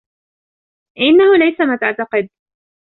إنه ليس ما تعتقد!